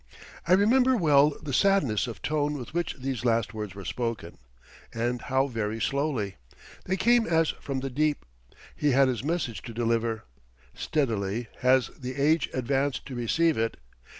I remember well the sadness of tone with which these last words were spoken, and how very slowly. They came as from the deep. He had his message to deliver. Steadily has the age advanced to receive it.